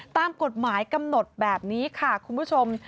ตามกฎหมายกำหนดแบบนี้ค่ะคุณผู้ชม